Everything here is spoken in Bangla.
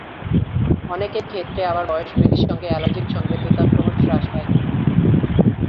অনেকের ক্ষেত্রে আবার বয়স বৃদ্ধির সঙ্গে অ্যালার্জিক সংবেদ্যতা ক্রমশ হ্রাস পায়।